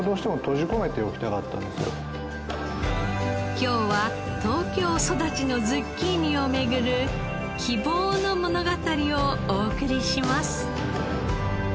今日は東京育ちのズッキーニを巡る希望の物語をお送りします。